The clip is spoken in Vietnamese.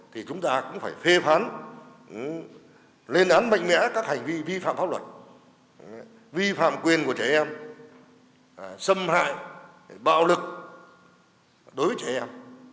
lên án lên án mạnh mẽ các hành vi vi phạm pháp luật vi phạm quyền của trẻ em xâm hại bạo lực đối với trẻ em